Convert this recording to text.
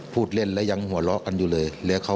พูดเล่นแล้วยังหัวเราะกันอยู่เลย